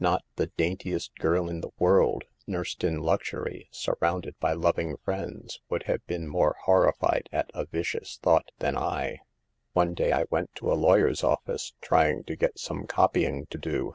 Not the daintiest girl in the world, nursed in luxury, surrounded by loving friends, would have been more horrified at a vicious thought than I. "'One day I went to a lawyer's office, trying to get some copying to do.